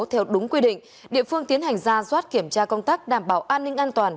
theo đúng quy định địa phương tiến hành ra soát kiểm tra công tác đảm bảo an ninh an toàn